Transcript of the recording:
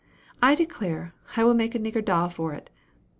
I declare I will make a nigger doll for it.